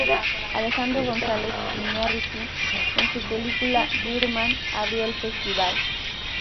Alejandro González Iñárritu, con su película "Birdman", abrió el festival.